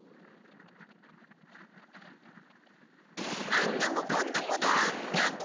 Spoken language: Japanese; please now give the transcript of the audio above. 「あんな子こんな子どんな子？